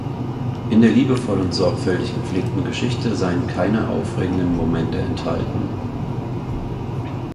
In der liebevoll und sorgfältig gepflegten Geschichte seien keine aufregenden Momente enthalten.